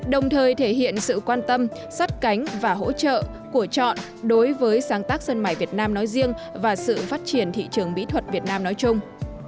đồng thời thể hiện sự quan tâm sát cánh và hỗ trợ của chọn đối với sáng tác sân mải việt nam nói riêng và sự phát triển thị trường mỹ thuật việt nam nói chung